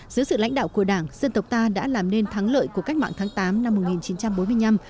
dưới sự lãnh đạo của đảng dân tộc ta đã làm nên thắng lợi của cách mạng tháng tám năm một nghìn chín trăm bốn mươi năm